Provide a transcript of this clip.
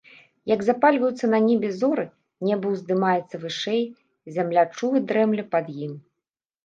Як запальваюцца на небе зоры, неба ўздымаецца вышэй, зямля чула дрэмле пад ім.